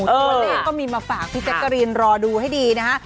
ก็มีมาฝากพี่แจ๊กกะรีนรอดูให้ดีนะฮะ